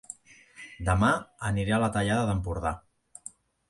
Dema aniré a La Tallada d'Empordà